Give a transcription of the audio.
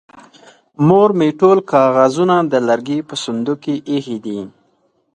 مور مې ټول کاغذونه د لرګي په صندوق کې ايښې دي.